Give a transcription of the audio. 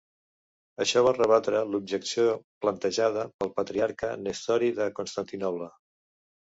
Això va rebatre l'objecció plantejada pel Patriarca Nestori de Constantinoble.